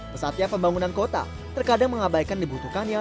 pesatnya pembangunan kota terkadang mengabaikan dibutuhkannya